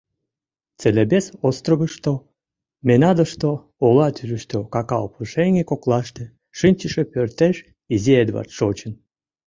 Целебес островышто, Менадошто, ола тӱрыштӧ какао пушеҥге коклаште шинчыше пӧртеш изи Эдвард шочын.